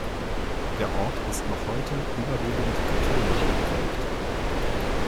Der Ort ist noch heute überwiegend katholisch geprägt.